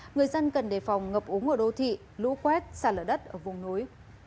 người dân cần đề phòng ngập úng ở đô thị lũ quét xa lở đất ở vùng núi